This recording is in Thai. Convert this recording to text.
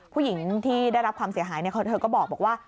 ผู้หญิงที่ได้รับความเสียหายเธอก็บอกว่า